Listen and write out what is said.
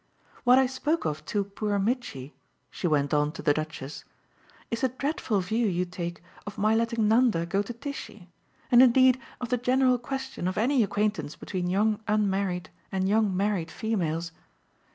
What I spoke of to poor Mitchy," she went on to the Duchess, "is the dreadful view you take of my letting Nanda go to Tishy and indeed of the general question of any acquaintance between young unmarried and young married females.